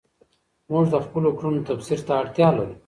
موږ د خپلو کړنو تفسیر ته اړتیا لرو.